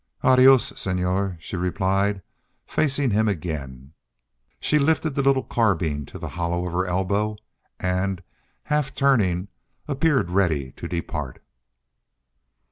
"ADIOS, SENOR," she replied, facing him again. She lifted the little carbine to the hollow of her elbow and, half turning, appeared ready to depart.